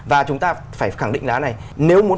và chúng ta phải khẳng định là thế này